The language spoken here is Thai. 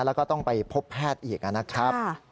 แล้วก็ต้องไปพบแพทย์อีกนะครับ